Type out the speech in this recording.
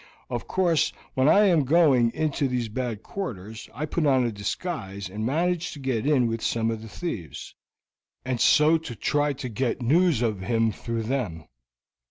Of course, when I am going into these bad quarters, I put on a disguise and manage to get in with some of these thieves, and so to try to get news of him through them.